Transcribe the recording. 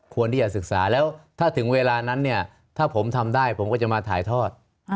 ที่จะศึกษาแล้วถ้าถึงเวลานั้นเนี่ยถ้าผมทำได้ผมก็จะมาถ่ายทอด